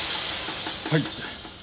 はい。